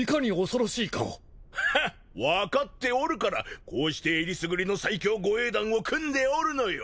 ハッ分かっておるからこうしてえりすぐりの最強護衛団を組んでおるのよ！